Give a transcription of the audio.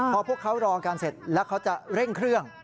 พอพวกเขารอกันเสร็จแล้วเขาจะเร่งเครื่อง